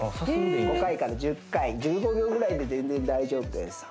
５回から１０回１５秒ぐらいで全然大丈夫です